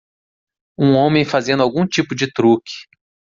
Um homem fazendo algum tipo de truque.